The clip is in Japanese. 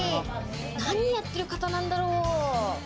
何やってる方なんだろう？